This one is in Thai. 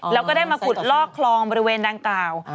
แล้วก็ได้มาขุดลอกคลองบริเวณดังกล่าว